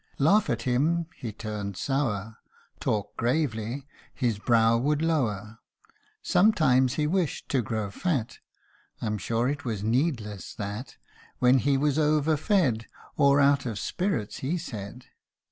Laugh at him he turned sour ; Talk gravely his brow would lower. Sometimes he wished to grow fat, (I'm sure it was needless, that) When he was over fed, Or out of spirits,, he said.